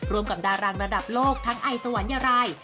กับดารางระดับโลกทั้งไอสวรรค์ราย